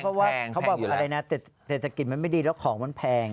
เพราะว่าเขาบอกอะไรนะเศรษฐกิจมันไม่ดีแล้วของมันแพง